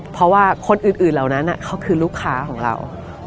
เพราะว่าคนอื่นเหล่านั้นเขาคือลูกค้าของเรา